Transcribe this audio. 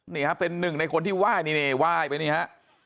นี่ฮะเป็นหนึ่งในคนที่ไหว้นี่ไหว้ไปนี่ฮะ